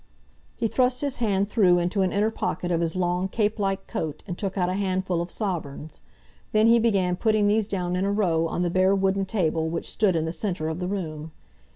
He thrust his hand through into an inner pocket of his long cape like coat and took out a handful of sovereigns. Then he began putting these down in a row on the bare wooden table which stood in the centre of the room.